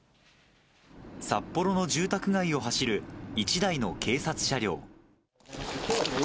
札幌の住宅街を走る、一台の警察車両。